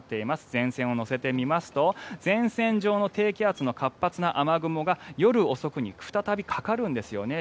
前線を乗せてみますと前線上の低気圧の活発な雨雲が夜遅くに再びかかるんですよね。